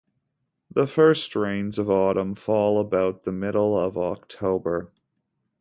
The first rains of autumn fall about the middle of October.